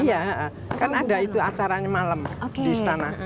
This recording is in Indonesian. iya kan ada itu acaranya malam di istana